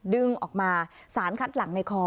ดึงออกมาสารคัดหลังในคอ